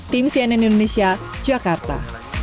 tim cnn indonesia jakarta